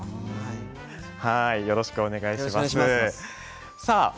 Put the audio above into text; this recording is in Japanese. よろしくお願いします。